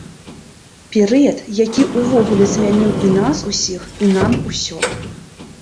Перыяд, які ўвогуле змяніў і нас усіх, і нам усё.